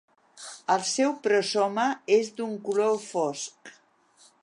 El seu prosoma és d'un color fosc.